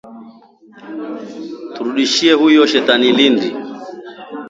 Turudishieni huyo shetani Lindi